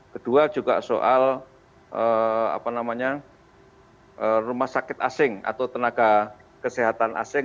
kedua juga soal rumah sakit asing atau tenaga kesehatan asing